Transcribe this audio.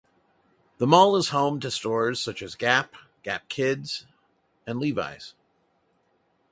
The mall is home to stores such as Gap, Gap Kids, and Levi's.